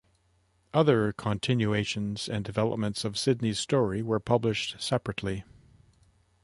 Other continuations and developments of Sidney's story were published separately.